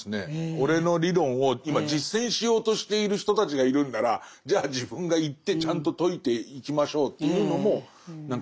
俺の理論を今実践しようとしている人たちがいるんならじゃあ自分が行ってちゃんと説いていきましょうというのも何か。